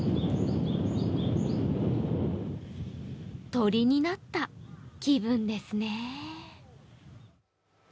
鳥になった気分ですね。